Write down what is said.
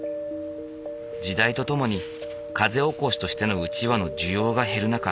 時代とともに風起こしとしてのうちわの需要が減る中